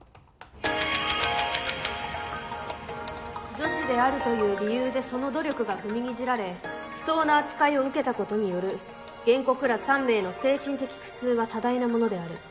女子であるという理由でその努力が踏みにじられ不当な扱いを受けたことによる原告ら３名の精神的苦痛は多大なものである。